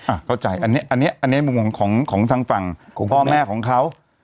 อ่ะเข้าใจอันนี้อันนี้มุมของทางฝั่งของพ่อแม่ของเขา